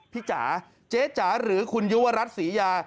จ๋าเจ๊จ๋าหรือคุณยุวรัฐศรียา